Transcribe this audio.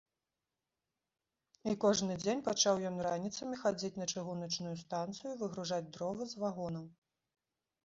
І кожны дзень пачаў ён раніцамі хадзіць на чыгуначную станцыю выгружаць дровы з вагонаў.